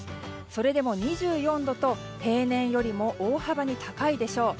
それでも２４度と平年よりも大幅に高いでしょう。